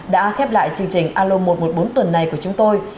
đã khép lại chương trình alo một trăm một mươi bốn tuần này của chúng tôi